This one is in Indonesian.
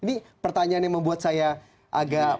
ini pertanyaan yang membuat saya agak